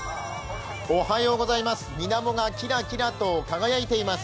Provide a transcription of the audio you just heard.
水面がキラキラと輝いています。